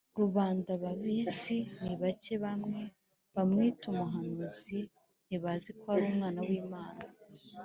Rubanda babizi nibake bamwe bamwita umuhanuzi ntibazi ko ari umwana wImana